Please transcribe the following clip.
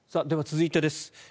では、続いてです。